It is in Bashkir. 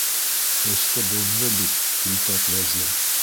Эште боҙҙо бит тинтәк Вәзир.